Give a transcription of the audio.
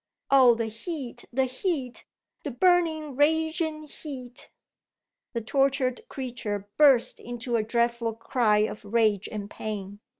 Oh, the heat, the heat, the burning raging heat!" The tortured creature burst into a dreadful cry of rage and pain.